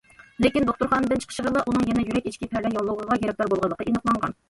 لېكىن دوختۇرخانىدىن چىقىشىغىلا ئۇنىڭ يەنە يۈرەك ئىچكى پەردە ياللۇغىغا گىرىپتار بولغانلىقى ئېنىقلانغان.